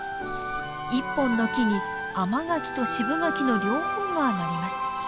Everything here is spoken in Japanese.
１本の木に甘柿と渋柿の両方がなります。